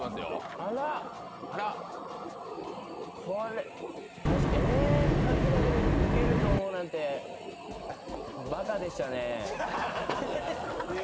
あらら、えー、絵を描くだけでウケると思うなんて馬鹿でしたね。